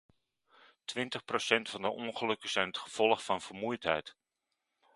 Twintig procent van de ongelukken zijn het gevolg van vermoeidheid.